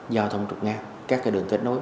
giao thông trục nga các cái đường kết nối